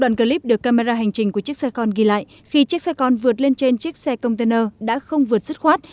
đoạn clip được camera hành trình của chiếc xe con ghi lại khi chiếc xe con vượt lên trên chiếc xe container đã không vượt dứt khoát